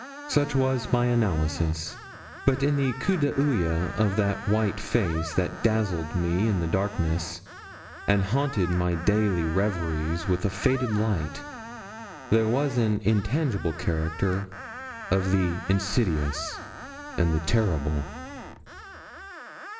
Such was my analysis; but in the coup d'oeil of that white face that dazzled me in darkness, and haunted my daily reveries with a faded light, there was an intangible character of the insidious and the terrible.